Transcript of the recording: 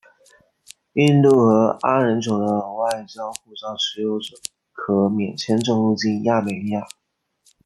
印度和阿联酋的外交护照持有者可免签证入境亚美尼亚。